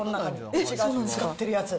うちが使ってるやつ。